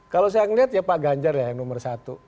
kalau saya melihat ya pak ganjar ya yang nomor satu